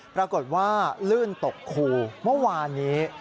ปรากฏว่าลื่นตกคูเมื่อวานนี้